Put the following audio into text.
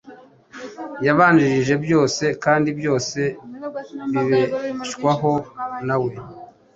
Yabanjirije byose, kandi byose bibeshwaho na we.